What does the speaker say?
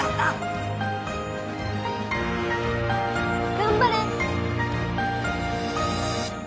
頑張れ！